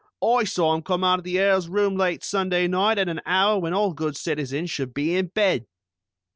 "I saw him come out of the Earl's room late Sunday night at an hour when all good citizens should be in bed."